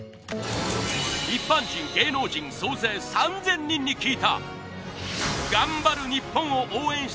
一般人芸能人総勢３０００人に聞いた。